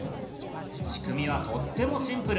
仕組みはとってもシンプル。